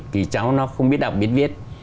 thì cháu nó không biết đọc biết viết